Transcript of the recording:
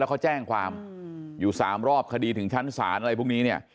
เขาแจ้งความอยู่๓รอบคดีถึงชั้นศาลอะไรพวกนี้เนี่ย